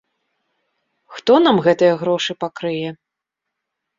Хто нам гэтыя грошы пакрые?